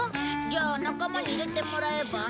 じゃあ仲間に入れてもらえば？